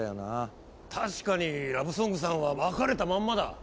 確かにラブソングさんは分かれたまんまだ。